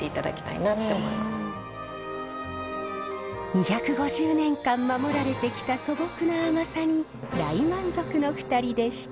２５０年間守られてきた素朴な甘さに大満足の２人でした。